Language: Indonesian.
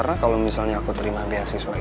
engga aku ambil ini